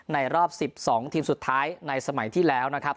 รอบ๑๒ทีมสุดท้ายในสมัยที่แล้วนะครับ